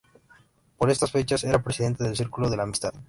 Por estas fechas era presidente del Círculo de la Amistad.